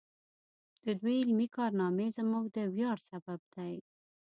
د دوی علمي کارنامې زموږ د ویاړ سبب دی.